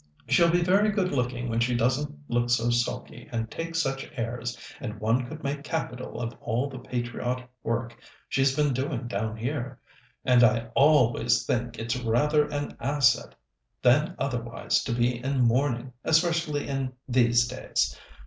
She'll be very good looking when she doesn't look so sulky and take such airs, and one could make capital of all the patriotic work she's been doing down here. And I always think it's rather an asset than otherwise to be in mourning, especially in these days.